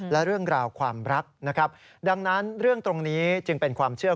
และเรื่องราวความรักนะครับดังนั้นเรื่องตรงนี้จึงเป็นความเชื่อ